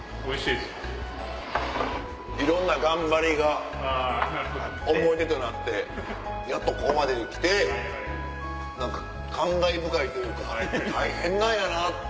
いろんな頑張りが思い出となってやっとここまで来て何か感慨深いというか大変なんやなって。